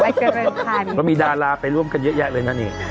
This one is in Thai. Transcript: เจริญพันธุ์ก็มีดาราไปร่วมกันเยอะแยะเลยนะนี่